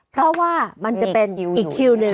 เพราะว่ามันจะเป็นอีกคิวหนึ่ง